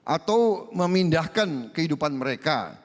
atau memindahkan kehidupan mereka